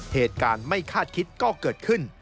เหตุการณ์ไม่คาดคิดก็เกิดขึ้น